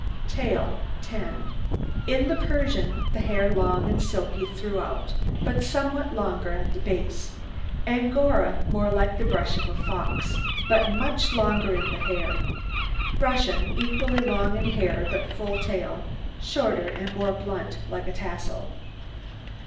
TAIL 10 In the Persian the hair long and silky throughout, but somewhat longer at the base. Angora more like the brush of a fox, but much longer in the hair. Russian equally long in hair, but full tail, shorter and more blunt, like a tassel.